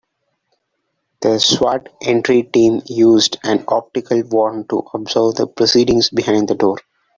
The S.W.A.T. entry team used an optical wand to observe the proceedings behind the door.